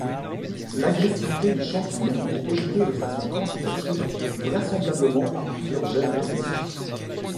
L’agressivité du champignon est héritée de façon quantitative, vraisemblablement par plusieurs gènes récessifs.